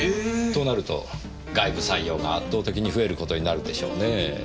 となると外部採用が圧倒的に増えることになるでしょうね。